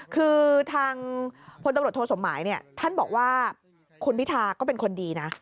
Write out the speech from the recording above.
คือทางพตสมเนี่ยท่านบอกว่าคุณพิทาก็เป็นคนดีนะ